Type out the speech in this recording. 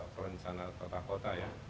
perencanaan kota kota ya